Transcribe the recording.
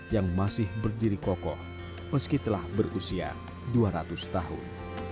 yang masih berdiri kokoh meski telah berusia dua ratus tahun